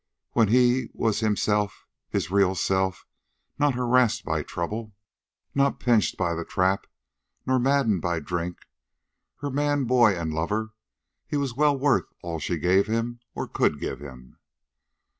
When he was himself, his real self, not harassed by trouble, not pinched by the trap, not maddened by drink, her man boy and lover, he was well worth all she gave him or could give him.